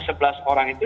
sebelas orang itu